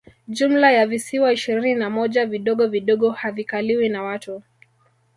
Jumla ya visiwa ishirini na moja vidogo vidogo havikaliwi na watu